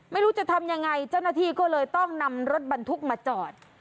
ไม่รู้จะทำยังไงเจ้าหน้าที่ก็เลยต้องนำรถบรรทุกมาจอด